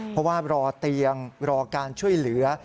เพราะว่ารอเตียงรอการช่วยเหลือ